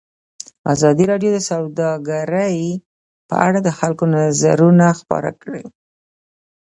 ازادي راډیو د سوداګري په اړه د خلکو نظرونه خپاره کړي.